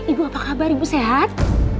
ibu apa kabar ibu sehat